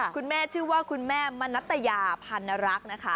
คุณแม่ชื่อว่าคุณแม่มณัตยาพันรักนะคะ